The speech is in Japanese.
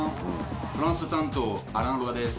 フランス担当アラン・ロワです。